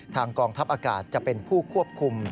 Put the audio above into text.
กองทัพอากาศจะเป็นผู้ควบคุม